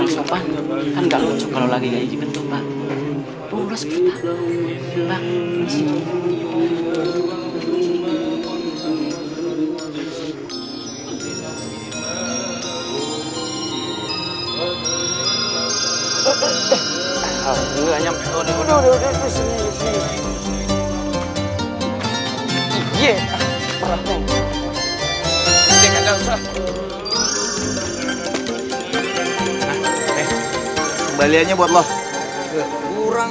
sampai jumpa di video selanjutnya